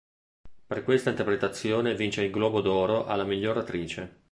Per questa interpretazione vince il Globo d'oro alla miglior attrice.